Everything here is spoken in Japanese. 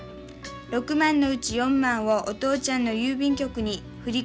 ６万のうち４万をお父ちゃんの郵便局に振り込んだけん。